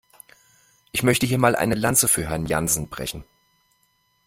Ich möchte hier mal eine Lanze für Herrn Jansen brechen.